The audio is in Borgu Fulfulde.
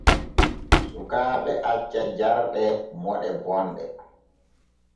Sukaaɓe acca jarɗe moɗe bonɗe.